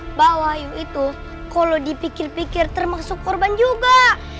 mbah wahyu itu kalo dipikir pikir termasuk korban juga